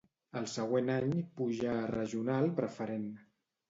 El següent any pujà a regional preferent.